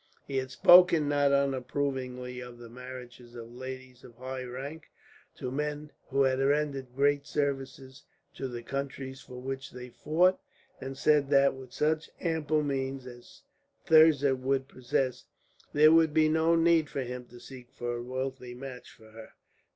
He had spoken not unapprovingly of the marriages of ladies of high rank to men who had rendered great services to the countries for which they had fought, and said that, with such ample means as Thirza would possess, there would be no need for him to seek for a wealthy match for her.